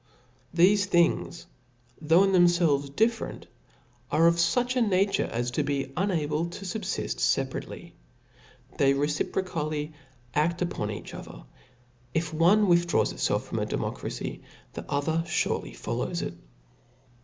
Thefe things, (hough in themfelves different^ are of fuch a na ture as to be unable to fubfift feparately ; they rt tiprocally aft upon each other i if one withdraws hfelf from a democracy, the other furely foK lows it.